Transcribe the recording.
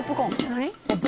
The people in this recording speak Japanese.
何？